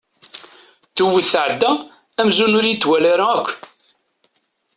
Tewwet tɛedda amzun ur iyi-d-twala ara akk.